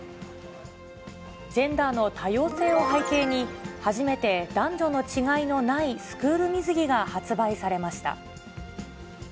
ジェンダーの多様性を背景に、初めて男女の違いのないスクール水着が発売されました。